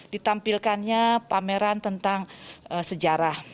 ditampilkannya pameran tentang sejarah